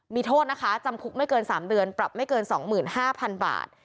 มีโทษนะคะจำคุกไม่เกิน๓เดือนปรับไม่เกิน๒๕๐๐๐บาท